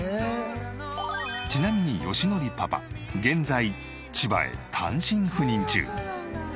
ちなみに義典パパ現在千葉へ単身赴任中。